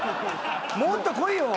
もっとこいよ！